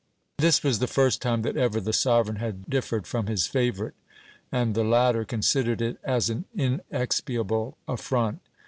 This was the first time that ever the sovereign had differed from his favourite, and the latter considered it as an inexpiable affront.